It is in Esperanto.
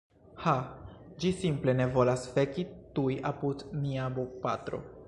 Ha, ĝi simple ne volas feki tuj apud mia bopatro